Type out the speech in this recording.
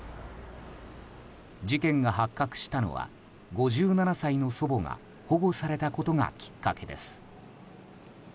事件が発覚したのは５７歳の祖母が保護されたことがきっかけです。